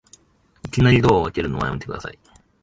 いきなりドア開けるのやめてください